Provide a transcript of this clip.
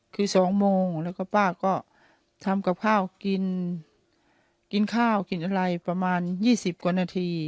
คือ๒โมงแล้วก็ป้าก็ทำกับข้าวกินกินข้าวกินอะไรประมาณ๒๐กว่านาที